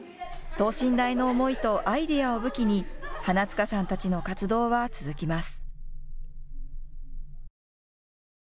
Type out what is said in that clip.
等身大の思いとアイデアを武器に花塚さんたちの活動は続きます。